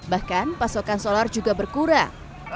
bahkan pasokan solar juga berkurang